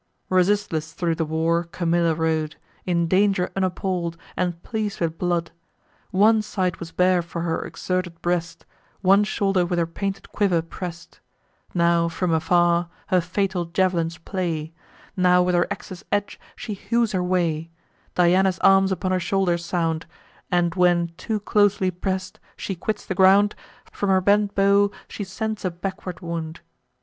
Resistless thro' the war Camilla rode, In danger unappall'd, and pleas'd with blood. One side was bare for her exerted breast; One shoulder with her painted quiver press'd. Now from afar her fatal jav'lins play; Now with her ax's edge she hews her way: Diana's arms upon her shoulder sound; And when, too closely press'd, she quits the ground, From her bent bow she sends a backward wound.